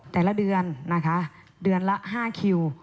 แต่ละเดือนนะคะเดือนละ๕คิว